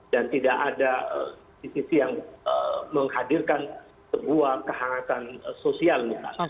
dan tidak ada di sisi yang menghadirkan sebuah kehangatan sosial